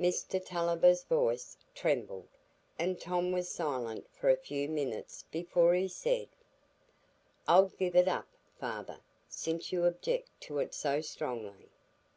Mr Tulliver's voice trembled, and Tom was silent for a few minutes before he said: "I'll give it up, father, since you object to it so strongly."